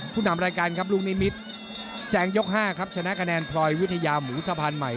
ผู้นำรายการครับลูกนิมิตรแซงยก๕ครับชนะคะแนนพลอยวิทยาหมูสะพานใหม่